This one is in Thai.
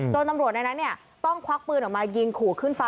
ตำรวจในนั้นต้องควักปืนออกมายิงขู่ขึ้นฟ้า